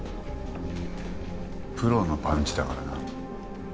プロのパンチだからな。